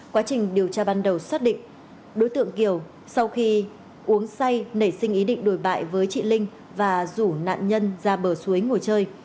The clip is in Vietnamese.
quá trình điều tra ban đầu xác định đối tượng kiều sau khi uống say nảy sinh ý định đồi bại với chị linh và rủ nạn nhân ra bờ suối ngồi chơi